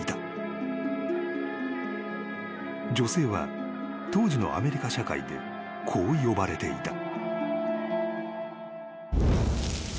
［女性は当時のアメリカ社会でこう呼ばれていた］